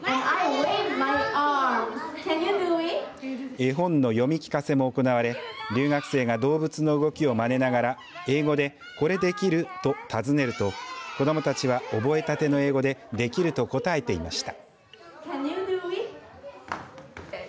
絵本の読み聞かせも行われ留学生が動物の動きをまねながら英語でこれできると尋ねると子どもたちは覚えたての英語でできると答えていました。